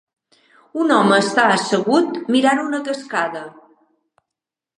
Un home està assegut mirant una cascada.